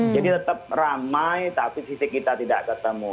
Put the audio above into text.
jadi tetap ramai tapi fisik kita tidak ketemu